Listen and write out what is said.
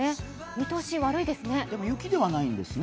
見通し、悪いですね。